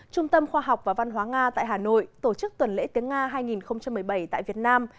trung tâm khoa học và văn hóa nga tại hà nội tổ chức tuần lễ tiếng nga hai nghìn một mươi bảy tại việt nam